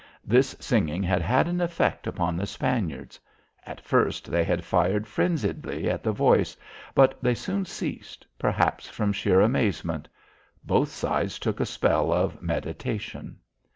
This singing had had an effect upon the Spaniards. At first they had fired frenziedly at the voice, but they soon ceased, perhaps from sheer amazement. Both sides took a spell of meditation.